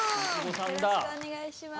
よろしくお願いします。